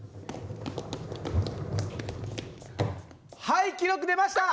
はい記録出ました！